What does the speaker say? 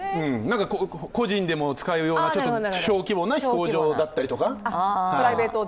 個人でも使えるような小規模な飛行場だったりとか。